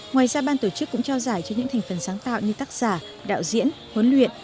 ngoài ra ban tổ chức cũng trao giải cho những thành phần sáng tạo như tác giả đạo diễn huấn luyện